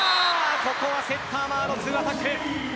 ここはセッター、マーのツーアタック。